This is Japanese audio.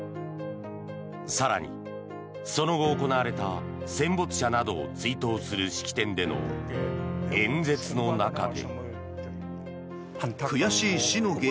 更にその後、行われた戦没者などを追悼する式典での演説の中で。